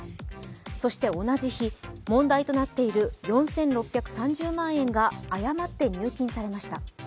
そして同じ日、問題となっている４６３０万円が誤って入金されました。